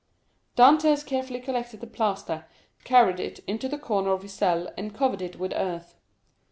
Dantès carefully collected the plaster, carried it into the corner of his cell, and covered it with earth.